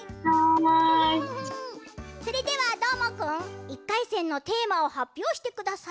それではどーもくん１かいせんのテーマをはっぴょうしてください。